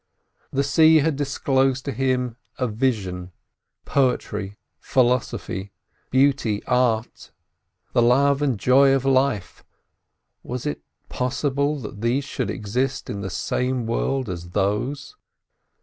The sea had disclosed to him a vision. Poetry, Philosophy, Beauty, Art, the love and joy of life—was it possible that these should exist in the same world as those?